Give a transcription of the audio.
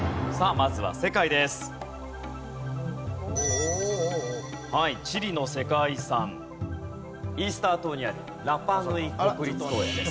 さあはいチリの世界遺産イースター島にあるラパ・ヌイ国立公園です。